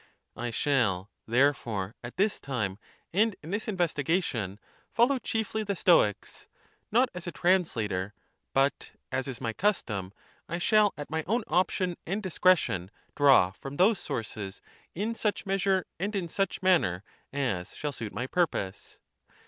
I shall, therefore, at this time and in this investigation follow chiefly the Stoics, not as a translator, but, as is my custom, I shall at my own option and discretion draw from those sources in such measure and in such manner as shall suit my purpose.